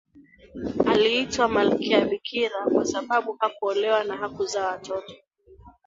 aliitwa malkia bikira kwa sababu hakuolewa na hakuzaa watoto